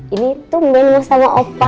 ini tumben sama opa